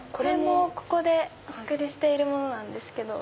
ここでお作りしているものなんです。